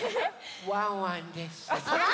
ワンワンです。